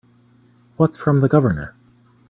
What's from the Governor?